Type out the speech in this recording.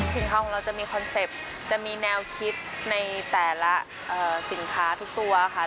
ของเราจะมีคอนเซ็ปต์จะมีแนวคิดในแต่ละสินค้าทุกตัวค่ะ